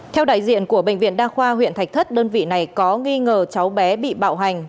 theo đại diện của bệnh viện đa khoa huyện thạch thất đơn vị này có nghi ngờ cháu bé bị bạo hành